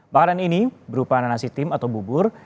makanan ini berupa nasi tim atau bubur